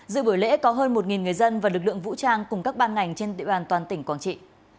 dự buổi lễ có hơn một người dân và lực lượng vũ trang cùng các ban ngành trên địa bàn toàn tỉnh quảng trị